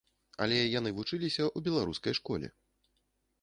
Але яны вучыліся ў беларускай школе.